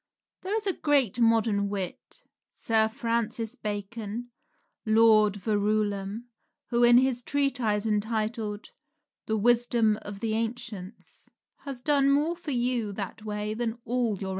There is a great modern wit, Sir Francis Bacon, Lord Verulam, who in his treatise entitled "The Wisdom of the Ancients" has done more for you that way than all your own priests.